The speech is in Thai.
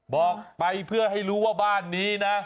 บอกไปเพื่อให้รู้ว่าบ้านนี้นะ